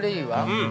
◆うん！